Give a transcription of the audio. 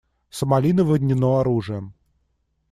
Сомали наводнено оружием.